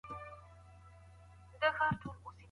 څوک د مدافع وکیلانو دنده ترسره کوي؟